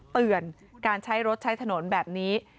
เตือนการใช้รถใช้ถนนแบบนี้